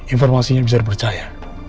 informasinya bisa dipercaya